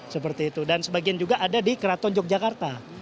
seperti itu dan sebagian juga ada di keraton yogyakarta